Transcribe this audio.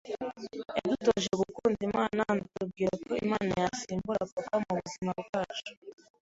yadutoje gukunda Imana anatubwira ko Imana yasimbura papa mu buzima bwacu